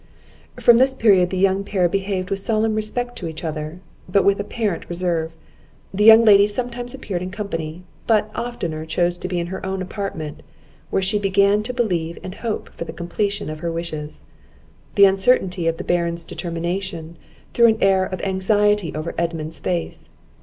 From this period, the young pair behaved with solemn respect to each other, but with apparent reserve. The young lady sometimes appeared in company, but oftener chose to be in her own apartment, where she began to believe and hope for the completion of her wishes. The uncertainty of the Baron's determination, threw an air of anxiety over Edmund's face.